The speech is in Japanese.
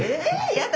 やだ